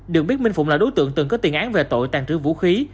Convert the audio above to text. được biết minh phụng là đối tượng từng có tiền án về tội tàn trữ vũ khí